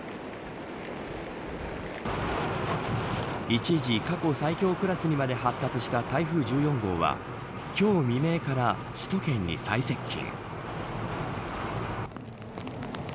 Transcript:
一時、過去最強クラスにまで発達した台風１４号は今日未明から首都圏に最接近。